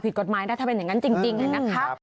พอผิดกฎไม้ถ้าเป็นอย่างนั้นจริงอย่างนั้นค่ะ